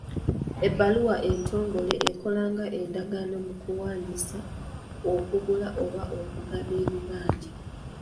Ebbaluwa entongole ekola nga endagaano mu kuwaanyisa, okugula oba okugaba ebibanja.